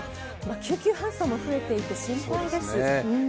救急搬送も増えていて心配ですね。